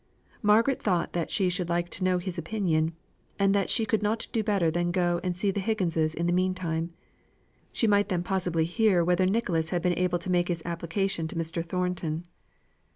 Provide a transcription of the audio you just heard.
Margaret thought that she should like to hear his opinion, and that she could not do better than go and see the Higginses in the meantime. She might then possibly hear whether Nicholas had been able to make his application to Mr. Thornton.